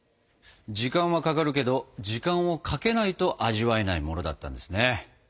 時間はかかるけど時間をかけないと味わえないものだったんですね。